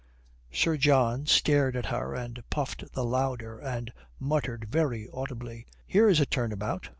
Sir John stared at her and puffed the louder, and muttered very audibly, "Here's a turnabout!"